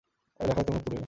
আমি লেখা হইতে মুখ তুলিলাম।